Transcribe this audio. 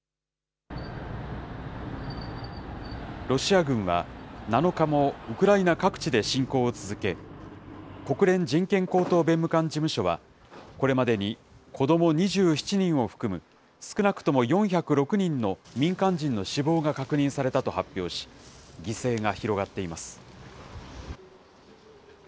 ロシア軍は、７日もウクライナ各地で侵攻を続け、国連人権高等弁務官事務所は、これまでに子ども２７人を含む少なくとも４０６人の民間人の死亡が確認されたと発表し、犠牲が広がっています。